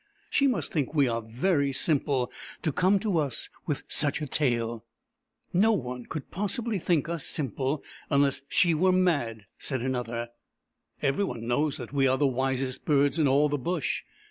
" She must think we are very simple, to come to us with such a tale." " No one could possibly think us simple, unless she were mad," said another, " Every one knows that we are the wisest birds in all the Bush.